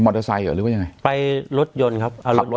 มอเตอร์ไซด์หรือว่ายังไงไปรถยนต์ครับเอารถยนต์